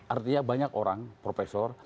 artinya banyak orang profesor